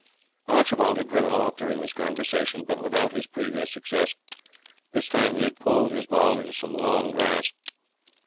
Archibald had driven off during this conversation, but without his previous success. This time he had pulled his ball into some long grass.